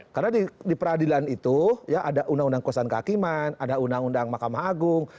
karena di peradilan itu ada undang undang kuasaan kehakiman ada undang undang makam agung